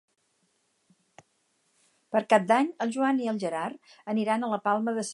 Per Cap d'Any en Joan i en Gerard aniran a la Palma de Cervelló.